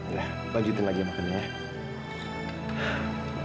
ya lanjutin lagi makanannya ya